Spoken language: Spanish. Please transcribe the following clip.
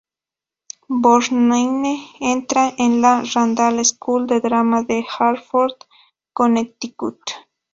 Borgnine entra en la Randall School de Drama de Hartford, Connecticut.